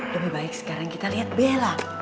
lebih baik sekarang kita lihat bela